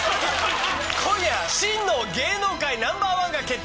今夜真の芸能界ナンバーワンが決定。